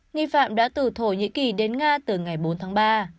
nghi phạm đã từ thổ nhĩ kỳ đến nga từ ngày bốn tháng ba